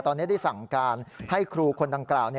ตอนนี้ได้สั่งการให้ครูคนดังกล่าว